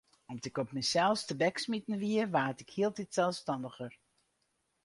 Om't ik op mysels tebeksmiten wie, waard ik hieltyd selsstanniger.